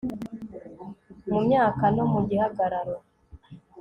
mumyaka no mugihagararo